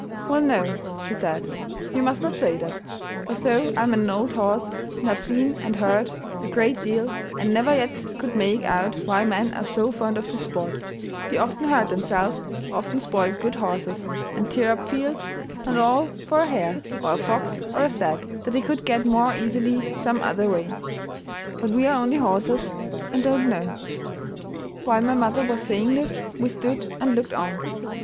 "Well, no," she said, "you must not say that; but though I am an old horse, and have seen and heard a great deal, I never yet could make out why men are so fond of this sport; they often hurt themselves, often spoil good horses, and tear up the fields, and all for a hare, or a fox, or a stag, that they could get more easily some other way; but we are only horses, and don't know." While my mother was saying this, we stood and looked on.